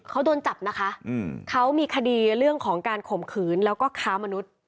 เขาโดนจับนะคะเขามีคดีเรื่องของการข่มขืนแล้วก็ค้ามนุษย์